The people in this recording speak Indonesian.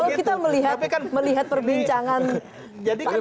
nah itu dia ya kalau kita melihat perbincangan pak jokowi